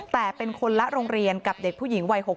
แต่เป็นคนละโรงเรียนกับเด็กผู้หญิงวัย๖๐